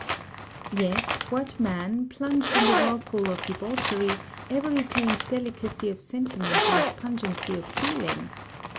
Yet, what man, plunged in the whirlpool of debauchery, ever retained delicacy of sentiment and pungency of feeling?